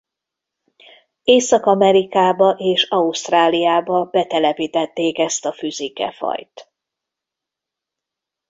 Észak-Amerikába és Ausztráliába betelepítették ezt a füzike-fajt.